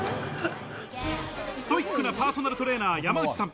ストイックなパーソナルトレーナー、山内さん。